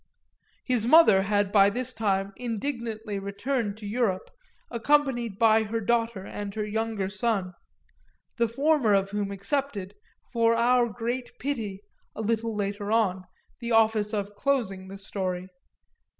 His mother had by this time indignantly returned to Europe, accompanied by her daughter and her younger son the former of whom accepted, for our great pity, a little later on, the office of closing the story.